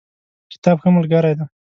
کتاب ښه ملګری دی